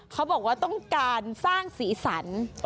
เขาบอกว่าต้องการสร้างสีสัน